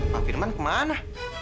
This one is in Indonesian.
pak firman kemana